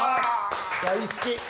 大好き。